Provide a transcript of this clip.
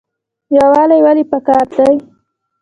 یووالی ولې پکار دی؟